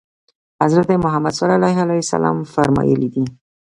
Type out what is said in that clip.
حضرت محمد صلی الله علیه وسلم فرمایلي دي.